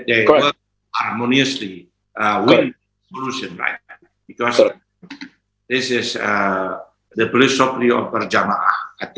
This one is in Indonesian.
dan juga harus berharmoni dengan produsen karena ini adalah kekuatan perjamaah